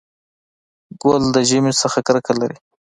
ګل د ژمي نه کرکه لري.